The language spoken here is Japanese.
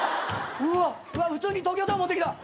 うわ普通に東京タワー持ってきた。